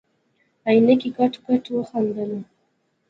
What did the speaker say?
عينکي کټ کټ وخندل.